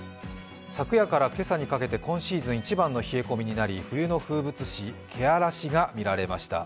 昨夜から今朝にかけて今シーズン一番の冷え込みになり、冬の風物詩、けあらしが見られました。